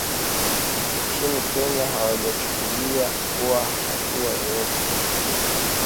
nchini Kenya hawajachukuliwa hatua yoyote